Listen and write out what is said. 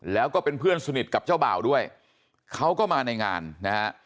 แล้วก็เป็นเพื่อนสนิทกับเจ้าบ่าวด้วยเขาก็มาในงานนะฮะ